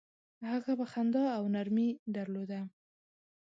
هغه به خندا او نرمي درلوده.